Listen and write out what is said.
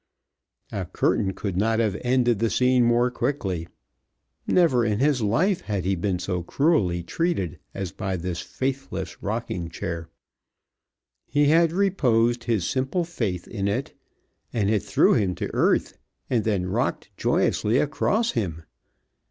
A curtain could not have ended the scene more quickly. Never in his life had he been so cruelly treated as by this faithless rocking chair. He had reposed his simple faith in it, and it threw him to earth, and then rocked joyously across him.